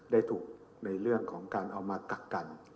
ได้ถูกในเรื่องของการเอามากักกัน